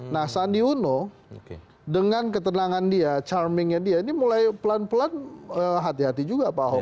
nah sandi uno dengan ketenangan dia charmingnya dia ini mulai pelan pelan hati hati juga pak ahok